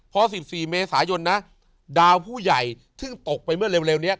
พอ๑๔เมษายนนะดาวผู้ใหญ่ซึ่งตกไปเมื่อเร็วนี้